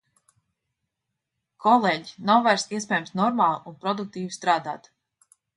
Kolēģi, nav vairs iespējams normāli un produktīvi strādāt!